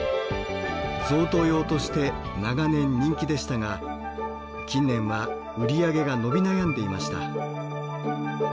贈答用として長年人気でしたが近年は売り上げが伸び悩んでいました。